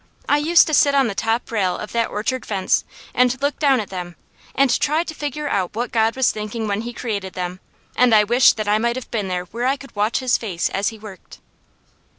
I used to sit on the top rail of that orchard fence and look down at them, and try to figure out what God was thinking when He created them, and I wished that I might have been where I could watch His face as He worked.